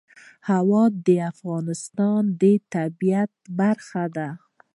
هوا د افغانستان د طبیعت برخه ده.